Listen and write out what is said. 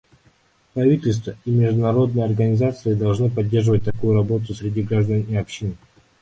Правительства и международные организации должны поддерживать такую работу среди граждан и общин.